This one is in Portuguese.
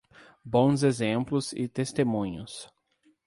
Bons exemplos e testemunhos